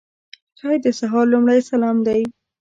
چای د سهار لومړی سلام دی.